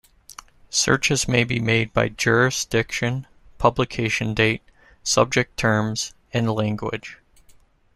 Searches may be made by jurisdiction, publication date, subject terms, and language.